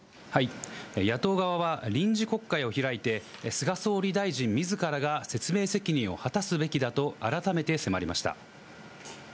野党側は臨時国会を開いて、菅総理大臣みずからが説明責任を果たすべきだと改めて迫りました。